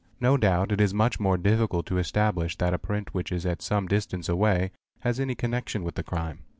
No doubt it is much mo difficult to establish that a print which is at some distance away has a connection with the crime.